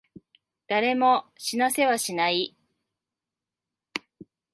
誰も死なせはしない。